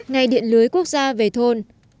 ngày điện lưới quốc gia về thôn